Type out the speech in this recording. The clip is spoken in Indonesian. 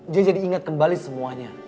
dia jadi ingat kembali semuanya